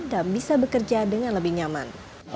dan bisa bekerja dengan lebih nyaman